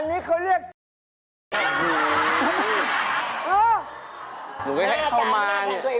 ไม่รู้ใครวางไว้